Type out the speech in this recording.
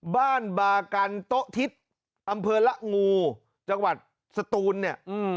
บ้านบากันโต๊ะทิศอำเภอละงูจังหวัดสตูนเนี่ย